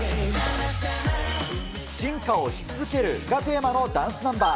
進化をし続けるがテーマのダンスナンバー。